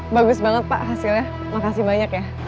bagus banget pak hasilnya makasih banyak ya